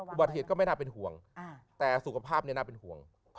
ก็ไม่น่าเป็นห่วงแต่สุขภาพนี้น่าเป็นห่วง